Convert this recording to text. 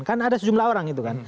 kan ada sejumlah orang itu kan